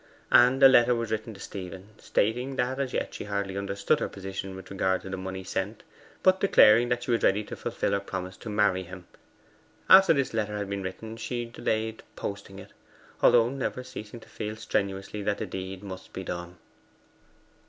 And a letter was written to Stephen, stating that as yet she hardly understood her position with regard to the money sent; but declaring that she was ready to fulfil her promise to marry him. After this letter had been written she delayed posting it although never ceasing to feel strenuously that the deed must be done.